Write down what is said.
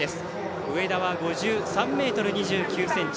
上田は５３ｍ２９ｃｍ。